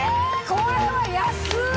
これは安い！